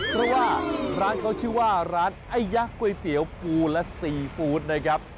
เพราะว่าร้านเขาชื่อว่าร้านไอ้ยักษ์ก๋วยเตี๋ยวปูและซีฟู้ดนะครับ